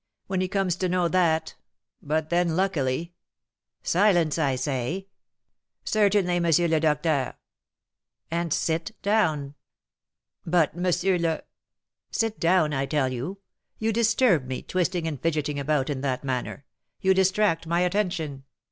when he comes to know that But, then, luckily " "Silence! I say." "Certainly, M. le Docteur." "And sit down." "But, M. le " "Sit down, I tell you! You disturb me, twisting and fidgeting about in that manner, you distract my attention.